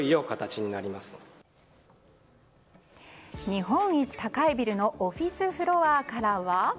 日本一高いビルのオフィスフロアからは。